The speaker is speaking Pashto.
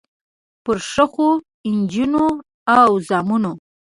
پرښخو، نجونو او زامنو